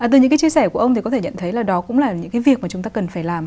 từ những cái chia sẻ của ông thì có thể nhận thấy là đó cũng là những cái việc mà chúng ta cần phải làm